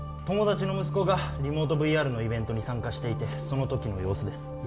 友達の息子がリモートＶＲのイベントに参加していてその時の様子です